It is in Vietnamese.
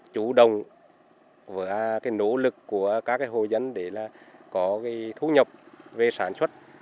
chủ động với nỗ lực của các hồ dân để có thu nhập về sản xuất